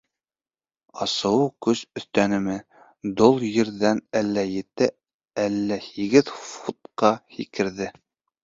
Асыуы көс өҫтәнеме, дол ерҙән әллә ете, әллә һигеҙ футҡа һикерҙе.